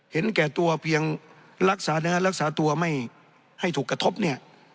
เห็นแก่ตัวเพียงรักษาเนื้อรักษาตัวไม่ให้ถูกกระทบเนี่ย